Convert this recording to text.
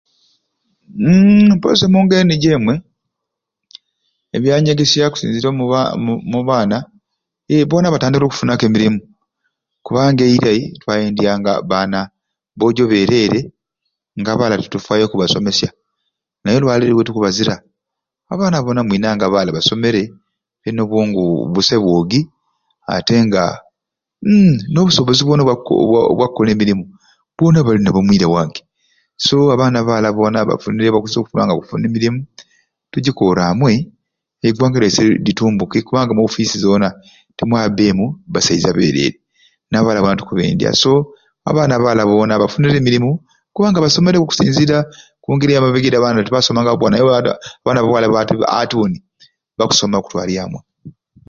Uhhhm mpozi omungeri nijjo emwei ebyanyegesya okusinzira omu omu baana bona batandikire okufuna emirumu kubanga eirai twaendyanga baana boojo beereere nga abaala tetufaayo kubasomesya naye olwaleero wetukubazira abaana boona mwinange abaala boona basomere ate n'obwongo busai bwogi ate nga uhhm n'obusobozi boona obwa obwa kukola emirumu boona balinabwo mwirange so abaana abaala boona bafunire omukisa okuba nga bafunire emirumu tugyikor' amwei egwanga lyaiswe litumbuke kubanga omu office zoona temwabemu basaiza beereere n'abaala boona tukubendya so abaana abaala boona bafunire emirumu kubanga basomereku okusinzira ku ngeri yamabega edi , abaala tibasomanga naye abaana ba bwala ati buni bakusoma okutwalya amwei